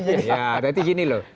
jadi gini loh